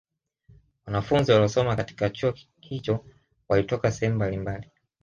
Wanafunzi waliosoma katika Chuo hicho walitoka sehemu mbalimbali